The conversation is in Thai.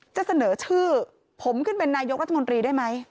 จะเสนอชื่อผมขึ้นเป็นนายกรัฐมนตรีได้ไหม